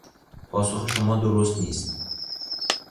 پاسخ شما درست نیست.